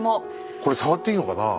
これ触っていいのかなあ？